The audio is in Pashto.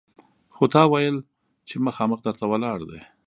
خو تا ویل چې مخامخ در ته ولاړ دی!